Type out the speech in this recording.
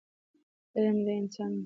عمل د انسان پیژندپاڼه ده.